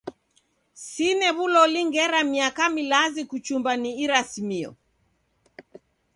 Sine w'uloli ngera miaka milazi kuchumba ni irasimio.